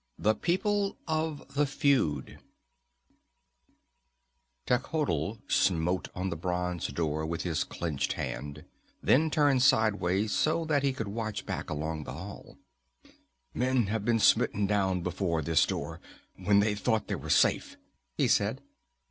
The People of the Feud_ Techotl smote on the bronze door with his clenched hand, and then turned sidewise, so that he could watch back along the hall. "Men have been smitten down before this door, when they thought they were safe," he said.